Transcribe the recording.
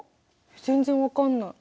全然分かんない。